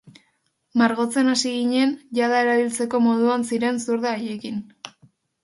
Margotzen hasi ginen jada erabiltzeko moduan ziren zurda haiekin.